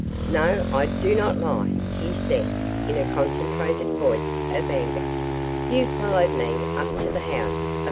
'No, I do not lie,' he said, in a concentrated voice of anger; 'you followed me up to the house of M.